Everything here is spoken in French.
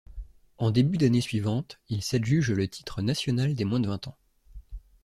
En début d'année suivante, il s'adjuge le titre national des moins de vingt ans.